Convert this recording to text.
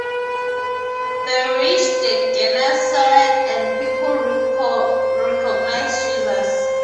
They reach Gennesaret and people recognize Jesus.